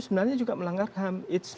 sebenarnya juga melanggar ham